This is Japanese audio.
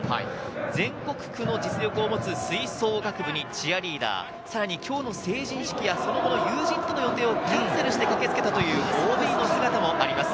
全国区の実力を持つ吹奏楽部にチアリーダー、さらに今日の成人式やその後の友人との予定をキャンセルして駆けつけたというＯＢの姿もあります。